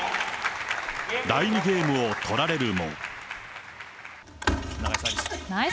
第２ゲームを取られるも。